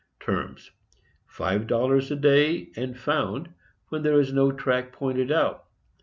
Terms.—Five dollars per day and found, when there is no track pointed out.